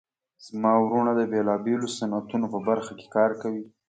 زما وروڼه د بیلابیلو صنعتونو په برخه کې کار کوي